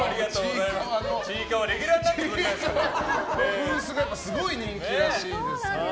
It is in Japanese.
ブースがすごい人気になってるらしいですね。